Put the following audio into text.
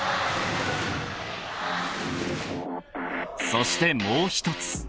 ［そしてもう１つ］